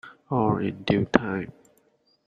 All in due time.